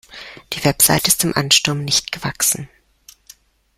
Die Website ist dem Ansturm nicht gewachsen.